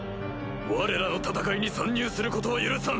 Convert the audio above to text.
われらの戦いに参入することは許さん！